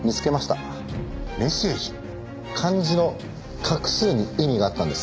漢字の画数に意味があったんです。